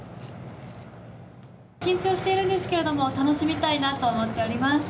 緊張しているんですけれども楽しみたいなと思っております。